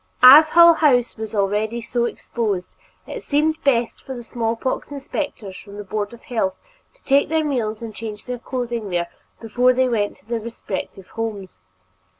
As Hull House was already so exposed, it seemed best for the special smallpox inspectors from the Board of Health to take their meals and change their clothing there before they went to their respective homes.